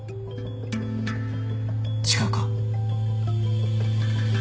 違うか？